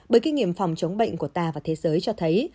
bởi kinh nghiệm phòng chống bệnh của ta và thế giới cho thấy